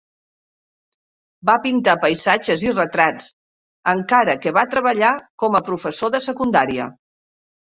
Va pintar paisatges i retrats, encara que va treballar com a professor de secundària.